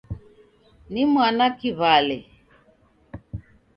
Ni mwana kiwale!